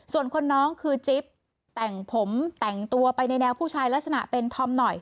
ส่วนคนน้องคือจิ๊บแต่งผมแต่งตัวไปในแนวผู้ชายลักษณะเป็นธอมหน่อย